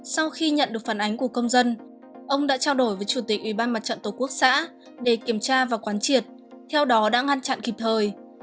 sau khi nhận được phản ánh của công dân ông đã trao đổi với chủ tịch ủy ban mặt trận tổ quốc xã để kiểm tra và quán triệt theo đó đã ngăn chặn kịp thời